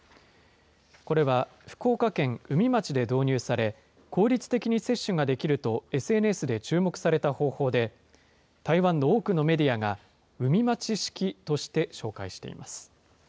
これは福岡県宇美町で導入され、効率的に接種ができると、ＳＮＳで注目された方法で、台湾の多くのメディアが、宇美町式として紹介しています。